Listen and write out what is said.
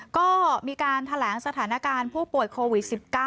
ก็มีการแถลงสถานการณ์ผู้ป่วยโควิด๑๙